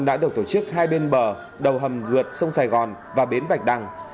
đã được tổ chức hai bên bờ đầu hầm ruột sông sài gòn và bến bạch đằng